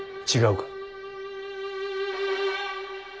違うか。